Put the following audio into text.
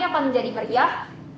akan menjadi periah